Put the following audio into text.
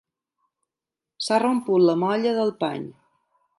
S'ha romput la molla del pany.